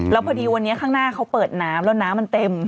แล้วพอดีวันนี้ข้างหน้าเขาเปิดน้ำแล้วน้ำมันเต็ม